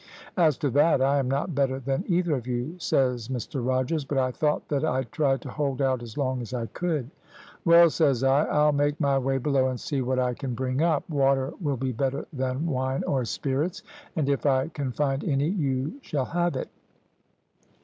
"`As to that, I am not better than either of you,' says Mr Rogers, `but I thought that I'd try to hold out as long as I could.' "`Well,' says I, `I'll make my way below and see what I can bring up. Water will be better than wine or spirits, and if I can find any you shall have it.'